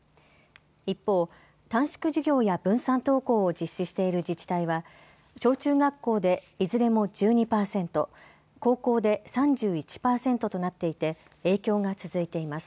一方、短縮授業や分散登校を実施している自治体は小中学校で、いずれも１２％、高校で３１％となっていて影響が続いています。